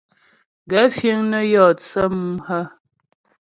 Gaə̂ fíŋ nə́ yɔ tsə́ mú hə́ ?